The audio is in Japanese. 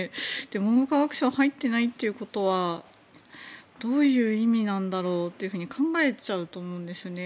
文部科学省が入っていないということはどういう意味なんだろうと考えちゃうと思うんですよね。